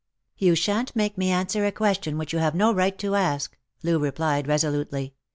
" Tou shan't make me answer a question which you have no right to ask," Loo replied resolutely.